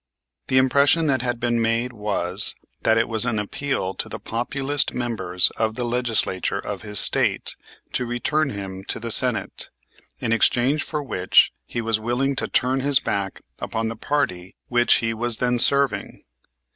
The impression that had been made was, that it was an appeal to the Populist members of the Legislature of his State to return him to the Senate, in exchange for which he was willing to turn his back upon the party which he was then serving.